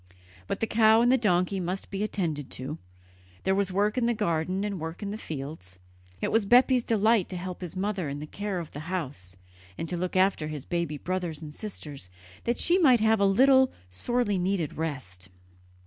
Both the cow and the donkey must be attended to; there was work in the garden and work in the fields. It was Bepi's delight to help his mother in the care of the house, and to look after his baby brothers and sisters, that she might have a little sorely needed rest.